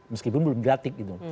meskipun belum berarti gitu